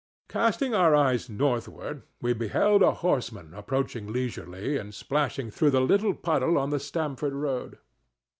Casting our eyes northward, we beheld a horseman approaching leisurely and splashing through the little puddle on the Stamford road.